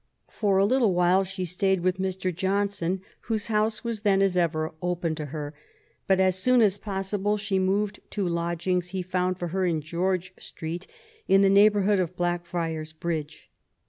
For a little while she stayed with Mr. Johnson, whose house was then, as ever, open to her. Sut as soon as possible she moved to lodgings he found for her in George Street, jn the neighbourhood of Black friars' Sridge.